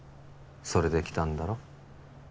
それで来たんだろ？